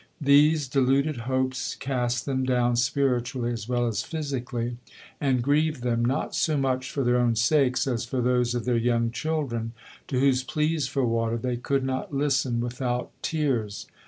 These deluded hopes cast them down spiritually as well as physically, and grieved them, not so much for their own sakes as for those of their young children, to whose pleas for water they could not listen without tears.